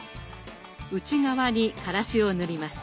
内側にからしを塗ります。